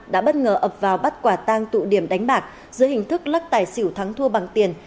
đã bất ngờ ập vào bắt quả tang tụ điểm đánh bạc dưới hình thức lắc tài xỉu thắng thua bằng tiền